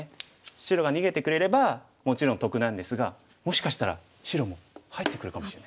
白が逃げてくれればもちろん得なんですがもしかしたら白も入ってくるかもしれないですよね。